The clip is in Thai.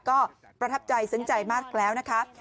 ก็ประทับใจซึ้งใจมากแล้วนะคะ